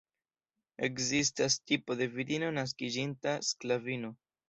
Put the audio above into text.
Ekzistas tipo de virino naskiĝinta sklavino.